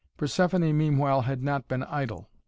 Persephoné meanwhile had not been idle.